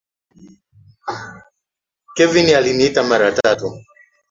Kevin aliniita mara tatu.